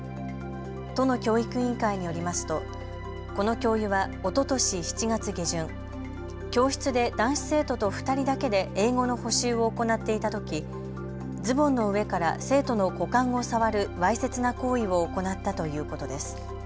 都の教育委員会によりますとこの教諭はおととし７月下旬、教室で男子生徒と２人だけで英語の補習を行っていたとき、ズボンの上から生徒の股間を触るわいせつな行為を行ったということです。